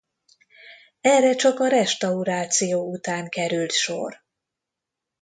Erre csak a restauráció után került sor.